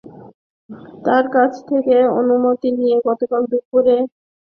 তাঁর কাছ থেকে অনুমতি নিয়ে গতকাল দুপুরে তিনি প্রচারণার জন্য মাইক নামান।